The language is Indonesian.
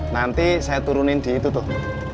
nanti saya turunin di itu tuh